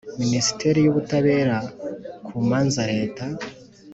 Minisiteri y ubutabera ku manza leta